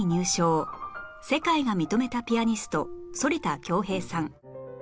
世界が認めたピアニスト反田恭平さん